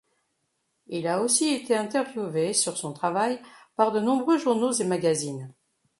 Il a aussi été interviewé sur son travail par de nombreux journaux et magazines.